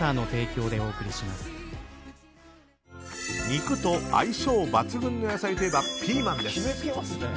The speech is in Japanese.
肉と相性抜群の野菜といえばピーマンです。